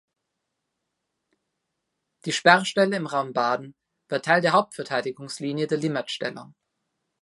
Die Sperrstelle im Raum Baden war Teil der Hauptverteidigungslinie der Limmatstellung.